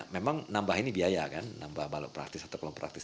memang nambah ini biaya kan nambah balok praktis atau kolom praktis